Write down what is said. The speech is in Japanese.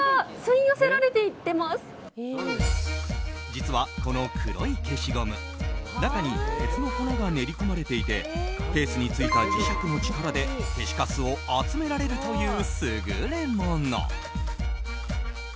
実はこの黒い消しゴム中に鉄の粉が練り込まれていてケースについた磁石の力で消しカスを集められるという優れもの。